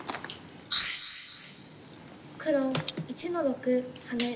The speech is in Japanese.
黒１の六ハネ。